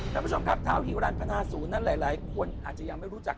ท่านผู้ชมครับทาวฮิวรรณพนาศูนย์นั้นหลายคนอาจจะยังไม่รู้จัก